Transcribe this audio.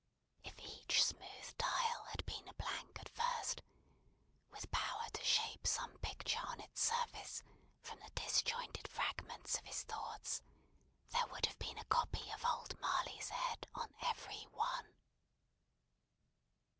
If each smooth tile had been a blank at first, with power to shape some picture on its surface from the disjointed fragments of his thoughts, there would have been a copy of old Marley's head on every one.